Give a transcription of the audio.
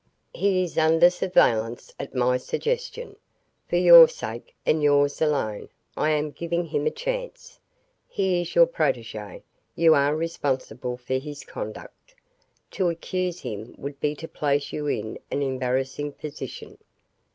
"He is under surveillance, at my suggestion. For your sake, and yours alone, I am giving him a chance. He is your protege; you are responsible for his conduct. To accuse him would be to place you in an embarrassing position.